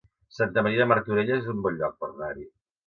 Santa Maria de Martorelles es un bon lloc per anar-hi